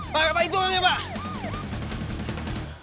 pak apa itu namanya pak